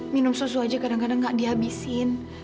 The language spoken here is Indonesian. minum susu aja kadang kadang gak dihabisin